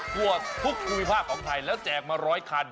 ทั่วทุกภูมิภาคของไทยแล้วแจกมา๑๐๐คัน